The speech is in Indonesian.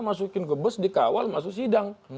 masukin ke bus dikawal masuk sidang